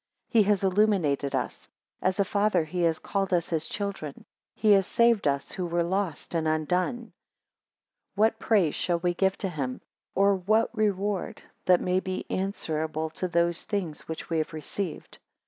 He has illuminated us; as a father, he has called us his children; he has saved us who were lost and undone. 6 What praise shall we give to him? Or what reward that may be answerable to those things which we have received.